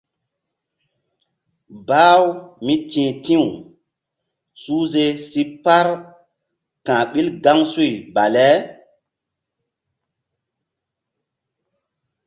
Bah-u mí ti̧h ti̧w suhze si par ka̧h ɓil gaŋsuy bale.